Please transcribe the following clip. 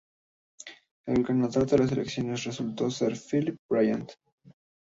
El ganador de las elecciones resultó ser Phil Bryant.